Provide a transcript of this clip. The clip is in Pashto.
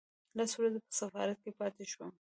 لس ورځې په سفارت کې پاتې شوم.